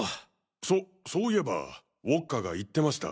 そそういえばウォッカが言ってました。